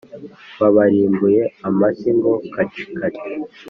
Babarimbuye amashyi ngo kacikaci.